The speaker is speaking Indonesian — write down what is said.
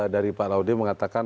dari pak laudin mengatakan